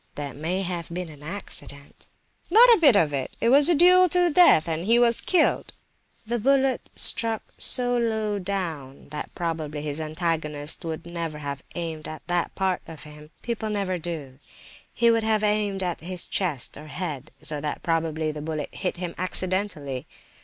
"That may have been an accident." "Not a bit of it; it was a duel to the death, and he was killed." "The bullet struck so low down that probably his antagonist would never have aimed at that part of him—people never do; he would have aimed at his chest or head; so that probably the bullet hit him accidentally.